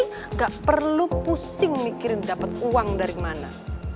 tidak perlu pusing mikirin dapat uang dari mana